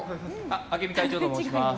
明美会長と申します。